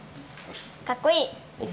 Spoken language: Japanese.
かっこいい。